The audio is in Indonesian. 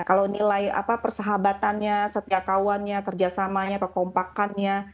kalau nilai apa persahabatannya setiakawannya kerjasamanya kekompakannya